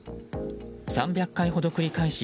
３００回ほど繰り返し